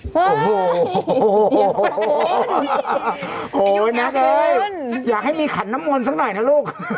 โอ้โหนักเอ้ยอยากให้มีขันน้ำมนต์สักหน่อยนะลูก